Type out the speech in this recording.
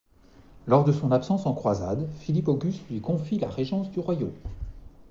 Lors de son absence en croisades, Philippe Auguste lui confie la régence du royaume.